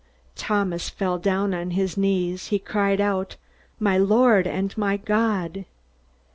Thomas fell down on his knees. He cried out, "My Lord and my God!"